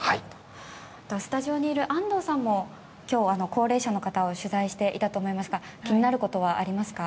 スタジオにいる安藤さんも今日、高齢者の方を取材していたと思いますが気になることはありますか？